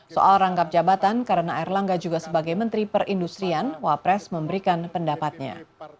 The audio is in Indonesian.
soal rangkap jabatan karena erlangga juga sebagai menteri perindustrian wapres memberikan pendapatnya